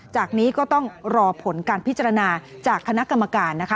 จากนี้ก็ต้องรอผลการพิจารณาจากคณะกรรมการนะคะ